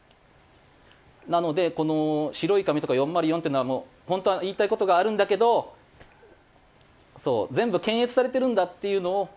なのでこの白い紙とか４０４っていうのは「ホントは言いたい事があるんだけど全部検閲されてるんだ」っていうのを表してると。